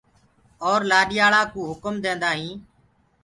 اور لآڏياݪآ ڪوٚ هڪُم ديندآ هين۔